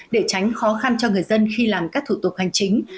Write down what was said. để tránh khó khăn cho người dân khi làm các thủ tục hành chính